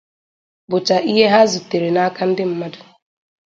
bụcha ihe ha zutere n'aka ndị mmadụ.